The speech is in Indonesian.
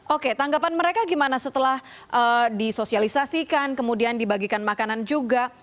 oke tanggapan mereka gimana setelah disosialisasikan kemudian dibagikan makanan juga